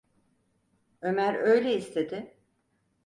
Ömer öyle istedi…